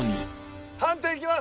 判定いきます。